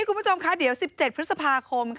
คุณผู้ชมคะเดี๋ยว๑๗พฤษภาคม